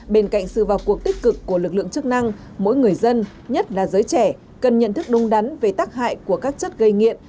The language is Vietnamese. bên cạnh sự vào cuộc tích cực của lực lượng chức năng mỗi người dân nhất là giới trẻ cần nhận thức đúng đắn về tác hại của các chất gây nghiện